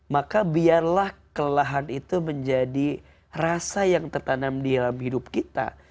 maka biarlah kelelahan itu menjadi rasa yang tertanam di dalam hidup kita